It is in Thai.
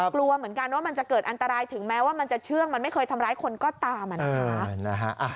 กลัวเหมือนกันว่ามันจะเกิดอันตรายถึงแม้ว่ามันจะเชื่องมันไม่เคยทำร้ายคนก็ตามนะคะ